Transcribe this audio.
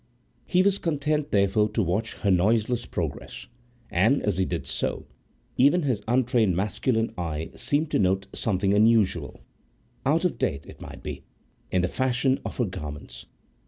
He was content, therefore, to watch her noiseless progress, and, as he did so, even his untrained masculine eye seemed to note something unusual—out of date, it might be—in the fashion of her garments.